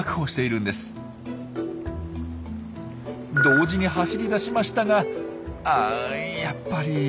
同時に走り出しましたがあやっぱり。